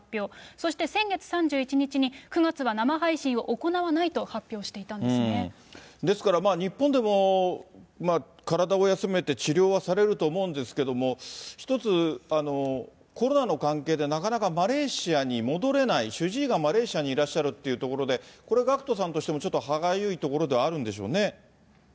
そして先月３１日に９月は生配信を行わないと発表していたんですですから、日本でも体を休めて、治療はされると思うんですけども、一つ、コロナの関係でなかなかマレーシアに戻れない、主治医がマレーシアにいらっしゃるというところで、これ、ＧＡＣＫＴさんとしても歯がゆいところではあるんでしょうね。